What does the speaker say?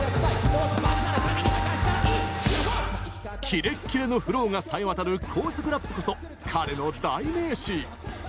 キレッキレのフロウがさえ渡る高速ラップこそ彼の代名詞。